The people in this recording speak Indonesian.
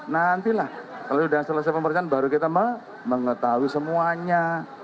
nantilah kalau sudah selesai pemeriksaan baru kita mengetahui semuanya